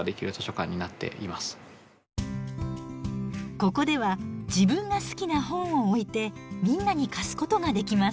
ここでは自分が好きな本を置いてみんなに貸すことができます。